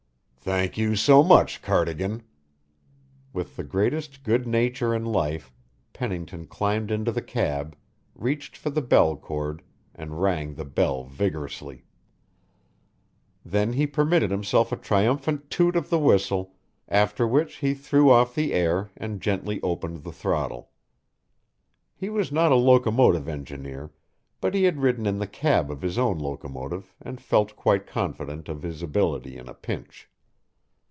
"Thank you so much, Cardigan." With the greatest good nature in life, Pennington climbed into the cab, reached for the bell cord, and rang the bell vigorously. Then he permitted himself a triumphant toot of the whistle, after which he threw off the air and gently opened the throttle. He was not a locomotive engineer but he had ridden in the cab of his own locomotive and felt quite confident of his ability in a pinch.